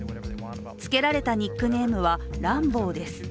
つけられたニックネームは、ランボーです。